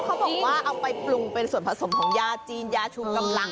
เขาบอกว่าเอาไปปรุงเป็นส่วนผสมของยาจีนยาชุมกำลัง